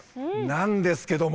なんですけども。